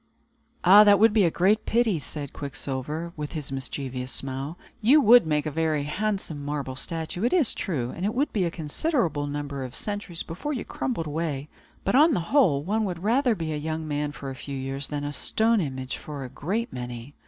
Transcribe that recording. "And that would be a great pity," said Quicksilver, with his mischievous smile. "You would make a very handsome marble statue, it is true, and it would be a considerable number of centuries before you crumbled away; but, on the whole, one would rather be a young man for a few years, than a stone image for a great many."